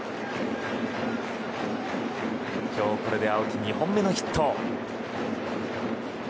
今日これで青木、２本目のヒット。